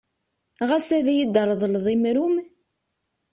Ɣad ad yi-d-tṛeḍleḍ imru-m?